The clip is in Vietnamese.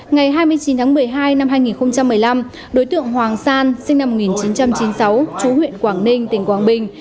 ngày hai mươi chín tháng một mươi hai năm hai nghìn một mươi năm đối tượng hoàng sa sinh năm một nghìn chín trăm chín mươi sáu chú huyện quảng ninh tỉnh quảng bình